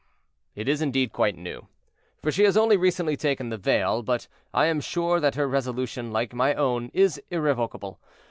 "It is indeed quite new, for she has only recently taken the veil; but I am sure that her resolution, like my own, is irrevocable.